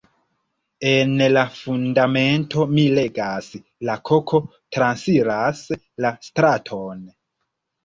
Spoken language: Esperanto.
En la Fundamento mi legas "la koko transiras la straton".